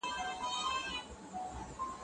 تل د نويو او ګټورو معلوماتو په لټه کي اوسه.